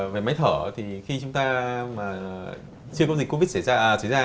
về máy thở thì khi chúng ta chưa có dịch covid xảy ra